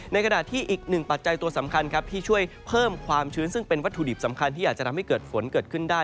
ในขณะที่อีกหนึ่งปัจจัยตัวสำคัญครับที่ช่วยเพิ่มความชื้นซึ่งเป็นวัตถุดิบสำคัญที่อาจจะทำให้เกิดฝนเกิดขึ้นได้